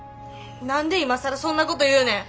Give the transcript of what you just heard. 何で今更そんなこと言うねん。